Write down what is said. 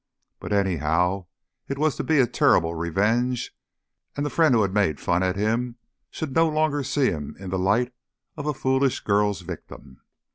But anyhow, it was to be a terrible revenge; and the friend who had made fun at him should no longer see him in the light of a foolish girl's victim.